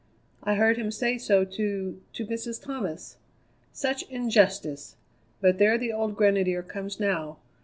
I heard him say so to to Mrs. Thomas. Such injustice! But there the old Grenadier comes now.